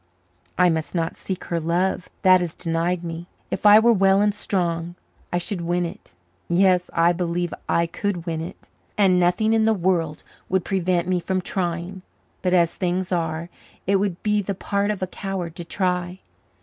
I must not seek her love that is denied me. If I were well and strong I should win it; yes, I believe I could win it, and nothing in the world would prevent me from trying, but, as things are, it would be the part of a coward to try.